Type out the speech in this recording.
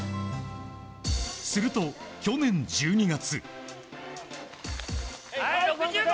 すると去年１２月。